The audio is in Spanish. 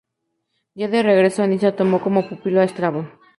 Ya de regreso a Nisa tomó como pupilo a Estrabón.